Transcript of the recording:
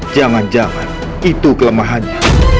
jangan jangan itu kelemahannya